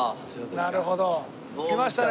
なるほど。来ましたね